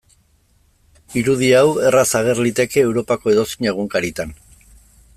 Irudi hau erraz ager liteke Europako edozein egunkaritan.